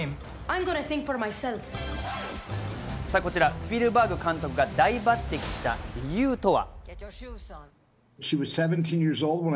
スピルバーグ監督が大抜てきした理由とは？